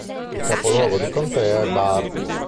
Il capoluogo di contea è Burke.